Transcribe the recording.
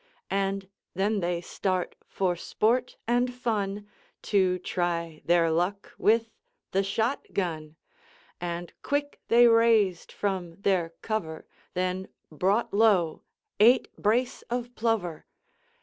And then they start for sport and fun, To try their luck with the shot gun, And quick they raised from their cover, Then brought low eight brace of plover.